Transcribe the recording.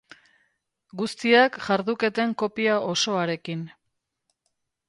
Guztiak jarduketen kopia osoarekin.